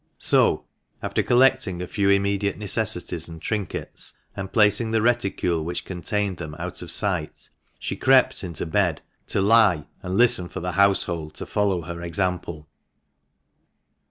So, after collecting a few immediate necessaries and trinkets, and placing the reticule which contained them out of sight, she crept into bed, to lie and listen for the household to follow her example.